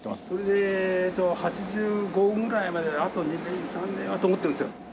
これで８５ぐらいまであと２年３年はと思ってるんですよ。